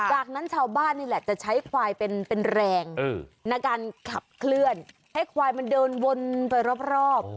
จากนั้นชาวบ้านนี่แหละจะใช้ควายเป็นแรงในการขับเคลื่อนให้ควายมันเดินวนไปรอบ